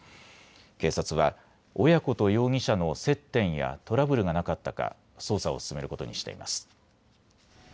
警察は親子と容疑者の接点やトラブルがなかったか捜査を進めることにしています。